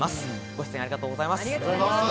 ご出演ありがとうございます。